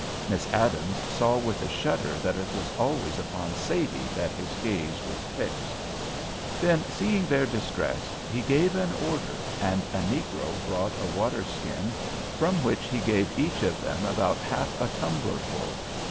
Miss Adams saw with a shudder that it was always upon Sadie that his gaze was fixed. Then, seeing their distress, he gave an order, and a negro brought a water skin, from which he gave each of them about half a tumblerful.